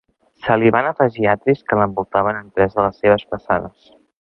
Se li van afegir atris que l'envoltaven en tres de les seves façanes.